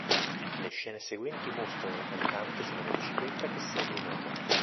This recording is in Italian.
Le scene seguenti mostrano la cantante su una motocicletta che segue un uomo.